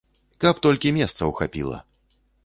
Каб толькі месцаў хапіла!